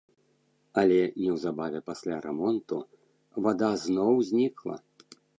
Але неўзабаве пасля рамонту вада зноў знікла.